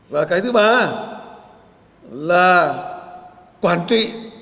và cái thứ ba là quản trị